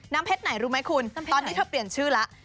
เพชรไหนรู้ไหมคุณตอนนี้เธอเปลี่ยนชื่อแล้ว